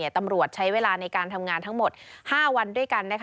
ตำรวจใช้เวลาในการทำงานทั้งหมด๕วันด้วยกัน